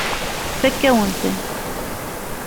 Tfakk-awen-ten.